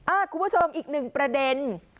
คุณผู้ชมอีกหนึ่งประเด็น